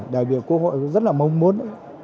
đại biểu quốc hội rất là mong muốn